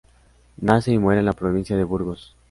Nace y muere en la provincia de Burgos.